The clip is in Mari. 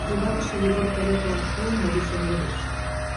Вуйлатыше Йогор Кори толын шуо, мый дечем йодеш: